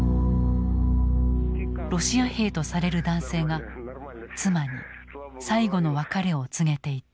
ロシア兵とされる男性が妻に最期の別れを告げていた。